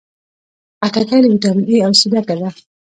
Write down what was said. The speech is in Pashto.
خټکی له ویټامین A او C ډکه ده.